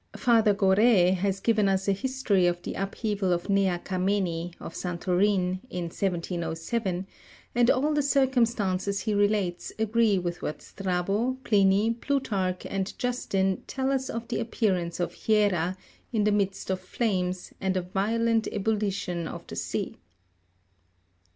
Father Goree has given us a history of the upheaval of Nea Kameni, of Santorin, in 1707 ; and all the cir cumstances he relates agree with what Strabo, Pliny, Plutarch and Justin tell us of the appearance of Hiera, in the midst of flames, and a violent ebullition of the sea.